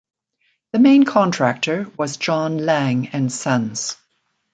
The main contractor was John Laing and Sons.